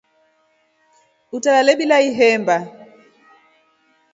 Utalale bila ihemba.